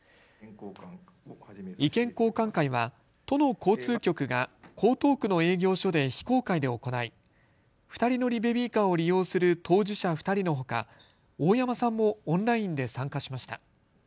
意見交換会は都の交通局が江東区の営業所で非公開で行い、２人乗りベビーカーを利用する当事者２人のほか大山さんもオンラインで参加しました。